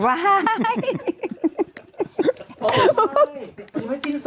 ไว้